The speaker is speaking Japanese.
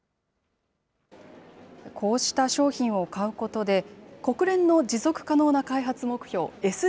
こうした商品を買うことで、国連の持続可能な開発目標